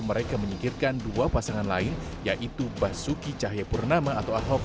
mereka menyingkirkan dua pasangan lain yaitu basuki cahayapurnama atau ahok